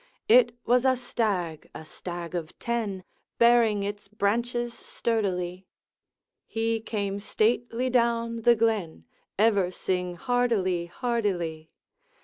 It was a stag, a stag of ten, Bearing its branches sturdily; He came stately down the glen, Ever sing hardily, hardily.